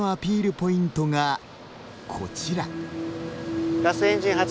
ポイントがこちら。